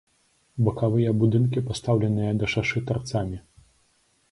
Бакавыя будынкі пастаўленыя да шашы тарцамі.